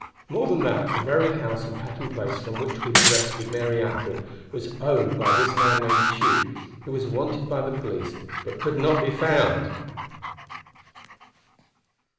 More than that, the very house on Patton Place from which we had rescued Mary Atwood, was owned by this man named Tugh, who was wanted by the police but could not be found!